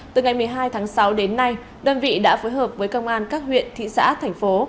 từ ngày một mươi hai tháng sáu đến nay đơn vị đã phối hợp với công an các huyện thị xã thành phố